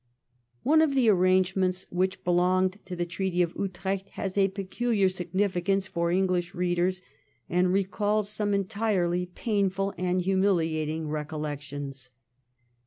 One of the arrangements which belonged to the Treaty of Utrecht has a peculiar significance for English readers, and recalls some entirely painful and humiliating recollections.